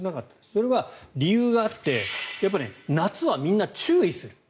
それは理由があってやっぱり夏はみんな注意する。